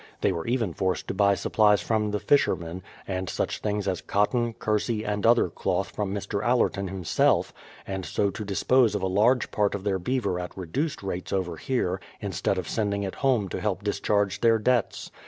They were even forced to buy supplies from the fishermen, and such things as cotton, kersey, and other cloth from Mr. Allerton himself, and so to dis pose of a large part of their beaver at reduced rates over here, instead of sending it home to help discharge their debts.